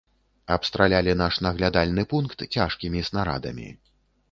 Абстралялі наш наглядальны пункт цяжкімі снарадамі.